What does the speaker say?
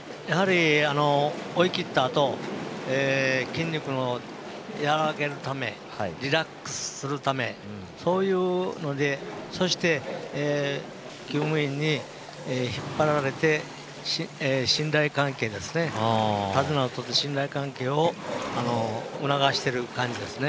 追い切ったあと筋肉をやわらげるためリラックスするためそして、きゅう務員に引っ張られて、信頼関係ですね手綱をとって信頼関係を促している感じですね。